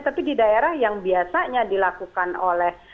tapi di daerah yang biasanya dilakukan oleh